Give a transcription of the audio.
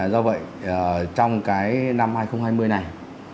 do vậy trong cái năm hai nghìn hai mươi này